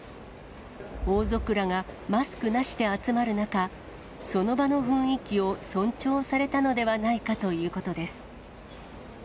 王族らがマスクなしで集まる中、その場の雰囲気を尊重されたのではないかということです。